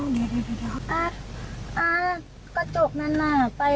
อ๋ออ๋ออ๋อเดี๋ยวเดี๋ยวเดี๋ยวอ่ะอ่ากระจกนั้นอ่ะไป